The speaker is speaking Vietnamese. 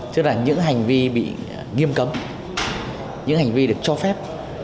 chứ là những hành vi bị nghiêm cấm những hành vi được cho phép